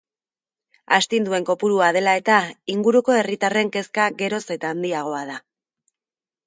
Astinduen kopurua dela eta, inguruko herritarren kezka geroz eta handiagoa da.